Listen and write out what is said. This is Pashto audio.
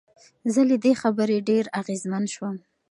زه له دې خبرې ډېر اغېزمن شوم.